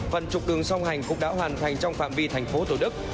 phần trục đường song hành cũng đã hoàn thành trong phạm vi thành phố thủ đức